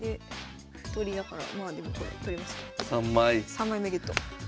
３枚目ゲット。